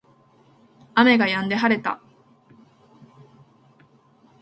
雨が止んで晴れた